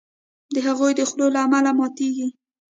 د هغوی د خولو له امله ماتیږي.